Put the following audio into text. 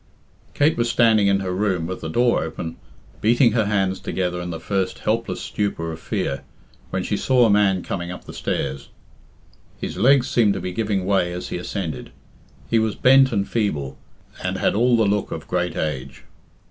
Kate was standing in her room with the door open, beating her hands together in the first helpless stupor of fear, when she saw a man coming up the stairs. His legs seemed to be giving way as he ascended; he was bent and feeble, and had all the look of great age.